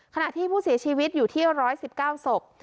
ขณะที่ผู้เสียชีวิตอยู่ที่๑๑๙ศพ